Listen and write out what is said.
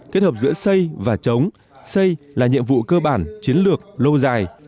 kết hợp giữa xây và chống xây là nhiệm vụ cơ bản chiến lược lâu dài